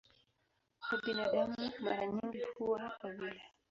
Kwa binadamu mara nyingi huwa wawili.